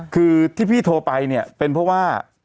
คือที่พี่โทรไปเนี่ยเป็นเพราะว่า